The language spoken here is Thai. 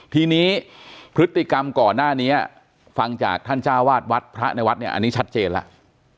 ทีนี้พฤติกรรมก่อนหน้านี้ฟังจากท่านจ้าวาดวัดพระในวัดเนี่ยอันนี้ชัดเจนแล้ว